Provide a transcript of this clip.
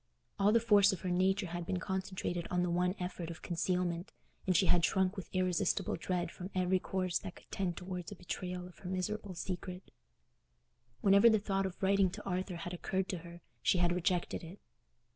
All the force of her nature had been concentrated on the one effort of concealment, and she had shrunk with irresistible dread from every course that could tend towards a betrayal of her miserable secret. Whenever the thought of writing to Arthur had occurred to her, she had rejected it.